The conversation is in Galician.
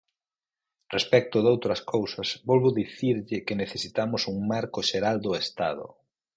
Respecto doutras cousas, volvo dicirlle que necesitamos un marco xeral do Estado.